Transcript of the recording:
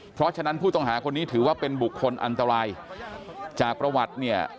เพราะฉะนั้นผู้ต้องหาคนนี้ถือว่าเป็นบุคคลอันตรายจากประวัติเนี่ย